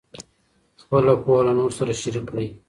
خپله پوهه له نورو سره شریک کړئ.